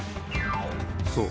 そう。